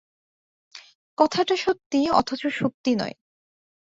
কথাটা সত্যি অথচ সত্যি নয়।